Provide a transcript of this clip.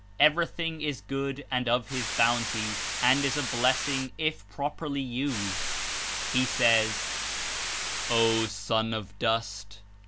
Fver>'thing is good and of his Bounty and is a blessing if properlv used. He says: ''O Son of Dust!